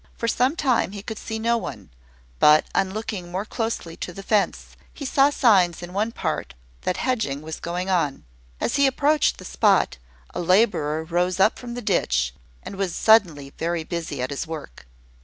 For some time he could see no one; but, on looking more closely to the fence, he saw signs in one part that hedging was going on. As he approached the spot, a labourer rose up from the ditch, and was suddenly very busy at his work.